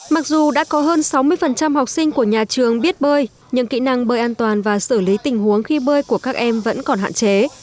mặc dù đã có hơn sáu mươi học sinh của nhà trường biết bơi nhưng kỹ năng bơi an toàn và xử lý tình huống khi bơi của các em vẫn còn hạn chế